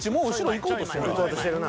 ［行こうとしてるな］